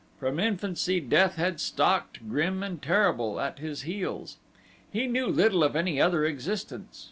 From infancy death had stalked, grim and terrible, at his heels. He knew little of any other existence.